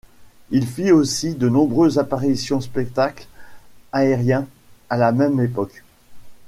Il fit aussi de nombreuses apparitions spectacle aérien à la même époque.